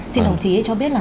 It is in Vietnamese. xin đồng chí cho biết là